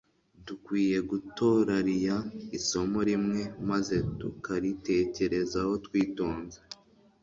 Dukwiye gutorariya isomo rimwe, maze tukaritekerezaho twitonze,